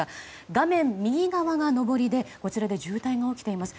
画面右側が上りでこちらで渋滞が起きています。